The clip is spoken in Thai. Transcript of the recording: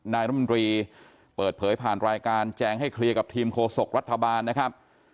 นายรมนตรีเปิดเผยผ่านรายการแจงให้เคลียร์กับทีมโฆษกรัฐบาลนะครับ